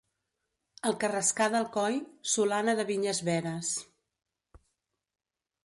El Carrascar d'Alcoi, solana de vinyes veres.